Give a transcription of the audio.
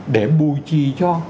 để bùi trì cho